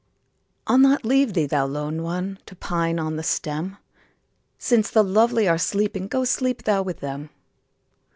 I'll not leave thee, thou lone one ! To pine on the stem ; Since the lovely are sleeping, Go sleep thou with them.